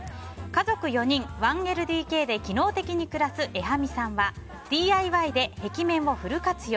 家族４人、１ＬＤＫで機能的に暮らす、えはみさんはＤＩＹで壁面をフル活用。